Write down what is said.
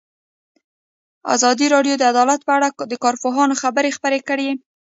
ازادي راډیو د عدالت په اړه د کارپوهانو خبرې خپرې کړي.